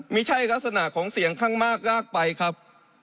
ไม่ใช่ลักษณะของเสียงข้างมากรากไปครับ